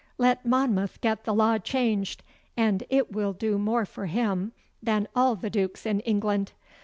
Let Monmouth get the law changed, and it will do more for him than all the dukes in England.